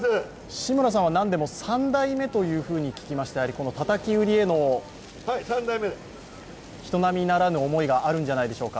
志村さんは３代目と聞きまして、このたたき売りへの人並みならぬ思いがあるんじゃないでしょうか。